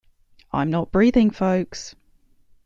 I'm not breathing folks!